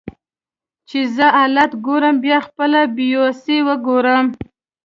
چې زه حالات ګورم بیا خپله بیوسي وګورم